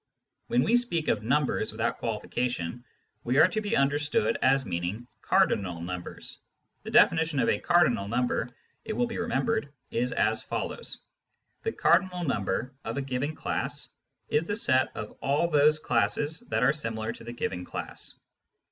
When we speak of " numbers " without qualification, we are to be understood as meaning cardinal numbers. The definition of a cardinal number, it will be remembered, is as follows :— The " cardinal number " of a given class is the set of all those classes that are similar to the given class.